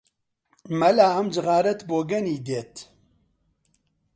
مەلا ئەم جغارەت بۆگەنی دێت!